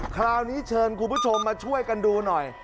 คราวนี้เชิญคุณผู้ชมมาช่วยกันดูหน่อย